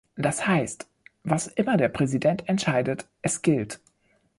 Das heißt, was immer der Präsident entscheidet, es gilt.